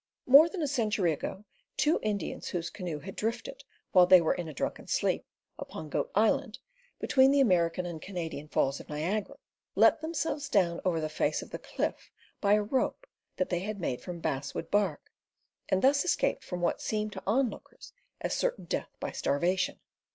More than a century ago, two Indians whose canoe had drifted, while they were in a drunken sleep, upon Goat Island, between the American and Canadian falls of Niagara, let themselves down over the face of the cliff by a rope that they made from bass wood bark, and thus escaped from what seemed to the on lookers as certain death by starvation.